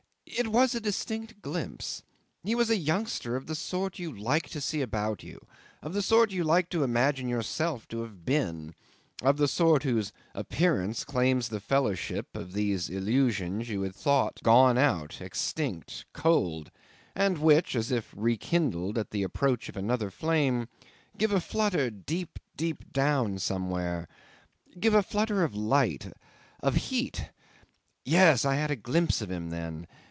It was a distinct glimpse. He was a youngster of the sort you like to see about you; of the sort you like to imagine yourself to have been; of the sort whose appearance claims the fellowship of these illusions you had thought gone out, extinct, cold, and which, as if rekindled at the approach of another flame, give a flutter deep, deep down somewhere, give a flutter of light ... of heat! ... Yes; I had a glimpse of him then